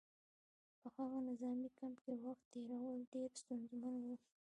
په هغه نظامي کمپ کې وخت تېرول ډېر ستونزمن وو